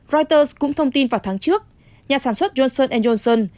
reuters cũng thông tin vào tháng trước nhà sản xuất johnson johnson